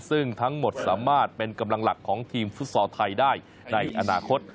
ซึ่งทั้งหมดสามารถเป็นกำลังหลักของทีมฟุตซอลไทยได้ในอนาคต